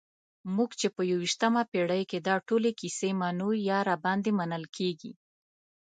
موږ چې په یویشتمه پېړۍ کې دا ټولې کیسې منو یا راباندې منل کېږي.